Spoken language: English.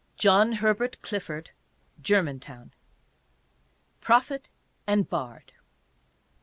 JOHN HERBERT CLIFFORD: Germantown. PROPHET AND BARD.